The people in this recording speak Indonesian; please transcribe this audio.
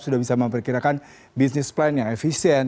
sudah bisa memperkirakan bisnis plan yang efisien